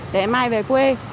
để mai về quê